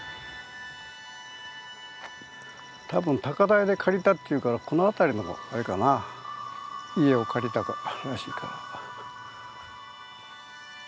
多分高台で借りたっていうからこの辺りのあれかな家を借りたらしいから。